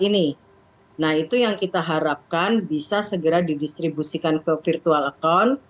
nah itu yang kita harapkan bisa segera didistribusikan ke virtual account